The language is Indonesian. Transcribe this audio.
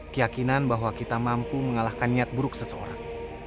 keyakinan bahwa kita mampu mengalahkan niat buruk seseorang